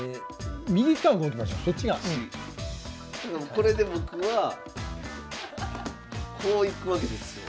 これで僕はこういくわけですよ。